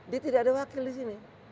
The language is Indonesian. dia tidak ada wakil di sini